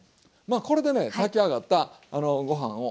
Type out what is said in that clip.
これでね炊き上がったご飯を。